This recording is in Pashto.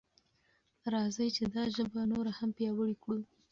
راځئ چې دا ژبه نوره هم پیاوړې کړو.